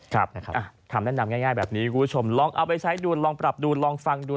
คำแนะนำง่ายแบบนี้คุณผู้ชมลองเอาไปใช้ดูลองปรับดูลองฟังดู